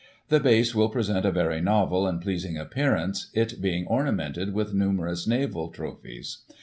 The base will present a very novel and pleasing appearance, it being ornamented with nimierous naval trophies.